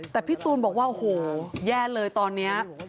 แต่พี่ตูนบอกว่าโอ้โหแย่เลยตอนนี้